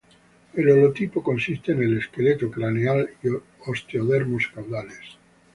El holotipo consiste en el esqueleto craneal y osteodermos caudales.